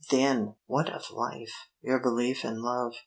Then what of life? your belief in love?